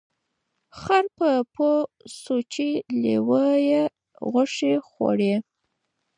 خر په پوه سوچی لېوه یې غوښي غواړي